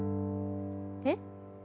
えっ？